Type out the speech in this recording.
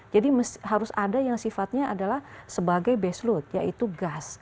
jadi harus ada yang sifatnya adalah sebagai base load yaitu gas